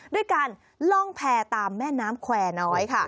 ด้วยการล่องแพร่ตามแม่น้ำแควร์น้อยค่ะ